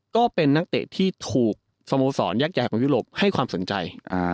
ก็เป็นนักแตะที่ถูกสมสรณ์ยักษ์ยากภกวิวโลภ์ให้ความสนใจ